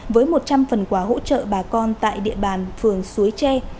với một trăm linh phần quả hỗ trợ bà con tại địa bàn phường suối chính